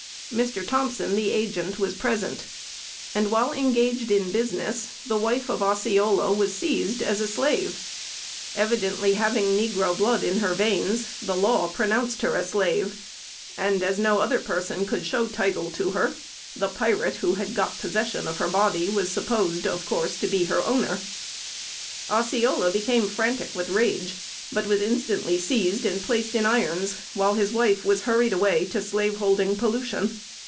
Mr. Thompson, the Agent, was present, and, while engaged in business, the wife of Osceola was seized as a slave. Evidently having negro blood in her veins, the law pronounced her a slave; and, as no other person could show title to her, the pirate who had got possession of her body, was supposed of course to be her owner. [Illustration: As.se.he.ho.lar. (known as Osceola, or Powell.)] Osceola became frantic with rage, but was instantly seized and placed in irons, while his wife was hurried away to slaveholding pollution.